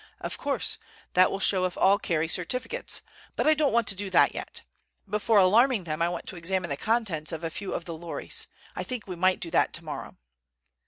"Of course. That will show if all carry certificates. But I don't want to do that yet. Before alarming them I want to examine the contents of a few of the lorries. I think we might do that tomorrow."